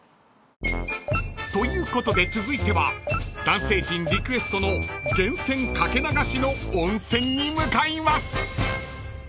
［ということで続いては男性陣リクエストの源泉掛け流しの温泉に向かいます］